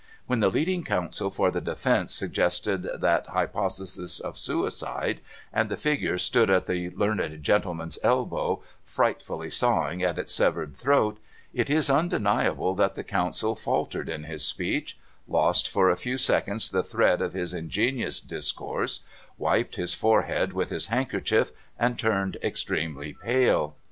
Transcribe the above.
When the leading counsel for the defence suggested that hypothesis of suicide, and the figure stood at the learned gentleman's elbow, frightfully sawing at its severed throat, it is undeniable that the counsel faltered in his speech, lost for a few seconds the thread of his ingenious discourse, wiped his forehead with his handkerchief, and turned extremely pale.